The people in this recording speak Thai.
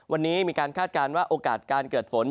วันนี้มีการคาดการณ์ว่าโอกาสการเกิดฝน